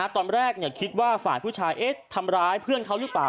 ตอนแรกคิดว่าฝ่ายผู้ชายทำร้ายเพื่อนเขาหรือเปล่า